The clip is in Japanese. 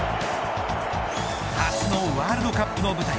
初のワールドカップの舞台。